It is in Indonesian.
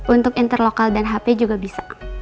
untuk interlokal dan hp juga bisa